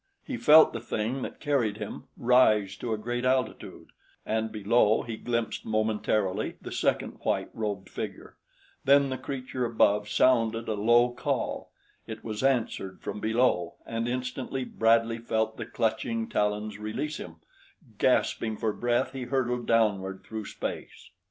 He felt the thing that carried him rise to a greater altitude, and below he glimpsed momentarily the second white robed figure; then the creature above sounded a low call, it was answered from below, and instantly Bradley felt the clutching talons release him; gasping for breath, he hurtled downward through space.